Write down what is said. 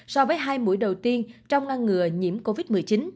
so với hai mũi đầu tiên trong ngăn ngừa nhiễm covid một mươi chín